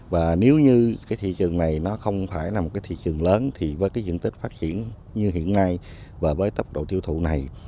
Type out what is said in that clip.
và nếu như cái thị trường này nó không phải là một cái thị trường lớn thì với cái diện tích phát triển như hiện nay và với tốc độ tiêu thụ này